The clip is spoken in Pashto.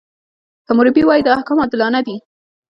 حموربي وایي، دا احکام عادلانه دي.